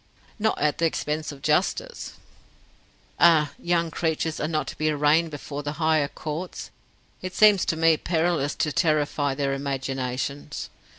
"Not at the expense of justice?" "Ah! young creatures are not to be arraigned before the higher Courts. It seems to me perilous to terrify their imaginations.